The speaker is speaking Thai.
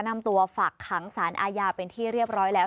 นำตัวฝากขังสารอาญาเป็นที่เรียบร้อยแล้ว